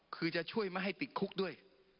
คือจะช่วยไม่ให้ติดคุกด้วย